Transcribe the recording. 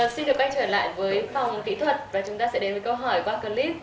xin được quay trở lại với phòng kỹ thuật và chúng ta sẽ đến với câu hỏi qua clip